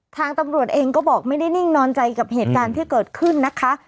ทางตำรวจเองก็บอกไม่ได้นิ่งนอนใจกับเหตุการณ์ที่เกิดขึ้นนะคะ